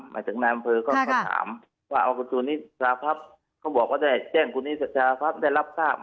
หมายถึงน้ำพื้นก็ถามว่าคุณครูนิชาพัฒน์เขาบอกว่าได้แจ้งคุณนิชาพัฒน์ได้รับทราบไหม